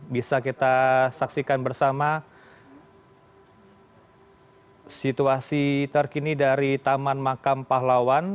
bisa kita saksikan bersama situasi terkini dari taman makam pahlawan